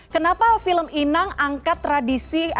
kenapa film inang angkat tradisi